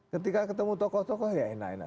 ketika ketemu tokoh tokoh ya enak aja